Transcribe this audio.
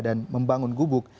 dan membangun gubuk